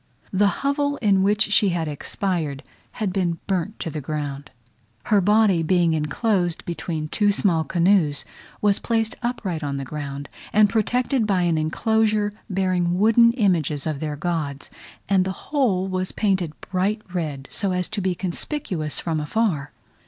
The hovel in which she had expired had been burnt to the ground: her body being enclosed between two small canoes, was placed upright on the ground, and protected by an enclosure bearing wooden images of their gods, and the whole was painted bright red, so as to be conspicuous from afar.